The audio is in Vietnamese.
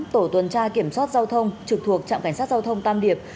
tổ tuần tra kiểm soát giao thông trực thuộc trạm cảnh sát giao thông tam điệp